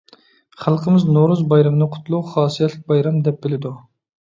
خەلقىمىز نورۇز بايرىمىنى قۇتلۇق، خاسىيەتلىك بايرام دەپ بىلىدۇ.